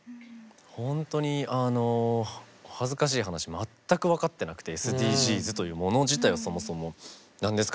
本当に恥ずかしい話全く分かってなくてＳＤＧｓというもの自体をそもそも何ですか？